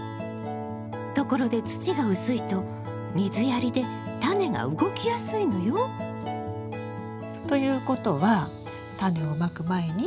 ところで土が薄いと水やりでタネが動きやすいのよ。ということはタネをまく前に？